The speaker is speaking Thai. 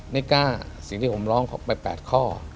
ไม่กล้าสิ่งที่ผมร้องไป๘ข้อ